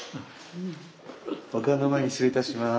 お顔の前に失礼いたします。